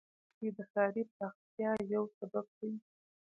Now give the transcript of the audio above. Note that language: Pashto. دښتې د ښاري پراختیا یو سبب دی.